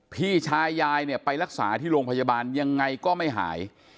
พี่ชายยายเนี่ยไปรักษาที่โรงพยาบาลยังไงก็ไม่หาย